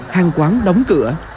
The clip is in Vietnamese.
hàng quán đóng cửa